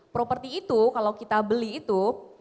properti itu kalau kita beli itu